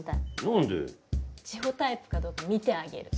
千穂タイプかどうか見てあげる。